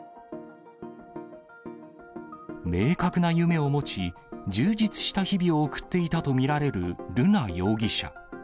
明確な夢を持ち、充実した日々を送っていたとみられる瑠奈容疑者。